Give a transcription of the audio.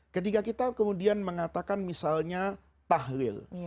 ketika kita kemudian mengatakan misalnya tahlil